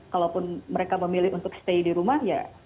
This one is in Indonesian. kalaupun mereka memilih untuk stay di rumah ya